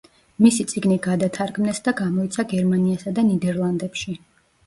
მისი წიგნი გადათარგმნეს და გამოიცა გერმანიასა და ნიდერლანდებში.